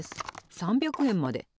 ３００えんまで？